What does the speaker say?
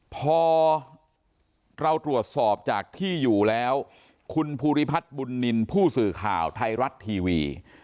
พอเราตรวจสอบจากที่อยู่แล้วคุณภูริพัฒน์บุญนินทร์ผู้สื่อข่าวไทยรัฐทีวี